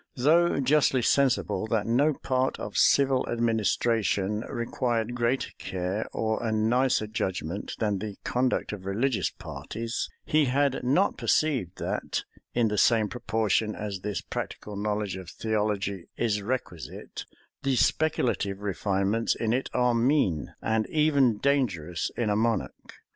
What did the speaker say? Though justly sensible that no part of civil administration required greater care or a nicer judgment than the conduct of religious parties, he had not perceived that, in the same proportion as this practical knowledge of theology is requisite, the speculative refinements in it are mean, and even dangerous in a monarch.